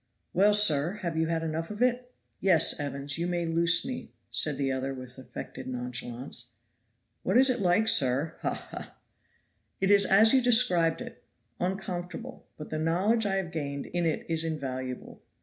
"Well, sir, have you had enough of it?" "Yes, Evans; you may loose me," said the other with affected nonchalance. "What is it like, sir? haw! haw!" "It is as you described it, _on_comfortable; but the knowledge I have gained in it is invaluable.